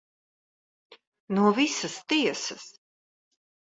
No visas tiesas.